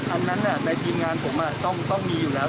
อันนั้นในทีมงานผมต้องมีอยู่แล้ว